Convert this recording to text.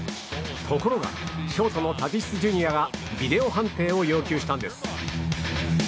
ところが、ショートのタティスＪｒ．がビデオ判定を要求したんです。